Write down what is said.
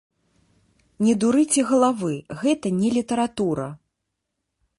Не дурыце галавы, гэта не літаратура!